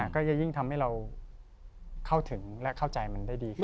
ก็จะยิ่งทำให้เราเข้าถึงและเข้าใจมันได้ดีขึ้น